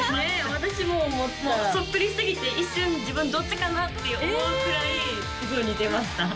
私も思ったもうそっくりすぎて一瞬自分どっちかなって思うくらいすごい似てました